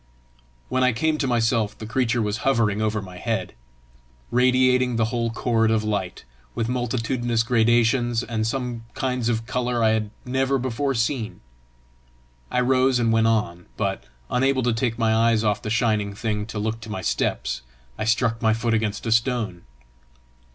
When I came to myself, the creature was hovering over my head, radiating the whole chord of light, with multitudinous gradations and some kinds of colour I had never before seen. I rose and went on, but, unable to take my eyes off the shining thing to look to my steps, I struck my foot against a stone.